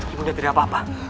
ibu ibu tidak apa apa